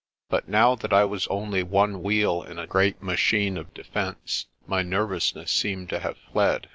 But now that I was only one wheel in a great machine of defence my nervousness seemed to have fled.